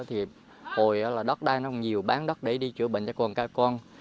hồi đóc đai nó nhiều bán đất để đi chữa bệnh cho con cái con